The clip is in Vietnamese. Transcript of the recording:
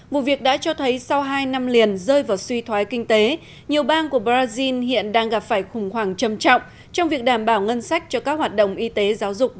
vụ việc đã cho thấy sau hai năm liền rơi vào suy thoái kinh tế nhiều bang của brazil hiện đang gặp phải khủng hoảng trầm trọng trong việc đảm bảo ngân sách cho các hoạt động y tế giáo dục